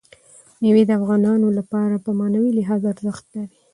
مېوې د افغانانو لپاره په معنوي لحاظ ارزښت لري.